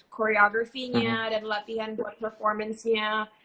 choreography nya dan latihan buat performance nya